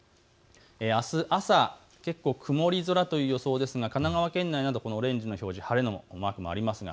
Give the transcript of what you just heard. あす朝、結構、曇り空という予想ですが神奈川県内などオレンジの表示、晴れのマークもあります。